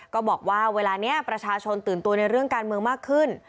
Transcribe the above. ก็บอกว่าเวลานี้ประชาชนตื่นตัวในเรื่องการเมืองมากขึ้น